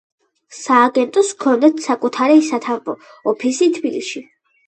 სააგენტოს ჰქონდა საკუთარი სათავო ოფისი თბილისში.